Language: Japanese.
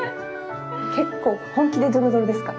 結構本気でドロドロですか？